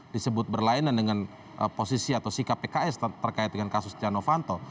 disebut berlainan dengan posisi atau sikap pks terkait dengan kasus stiano fanto